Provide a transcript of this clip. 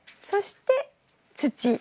そして土。